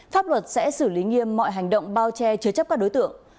pháp luật sẽ xử lý nghiêm mọi hành động bao che chứa chấp các đối tượng